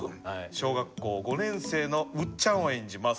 小学校５年生のうっちゃんを演じます。